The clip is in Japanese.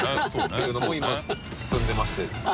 ていうのも今進んでまして実は。